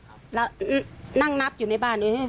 เพราะลูกชายเราอะมันเดินมาทีหลังเพราะลูกชายเราอะมันเดินมาทีหลัง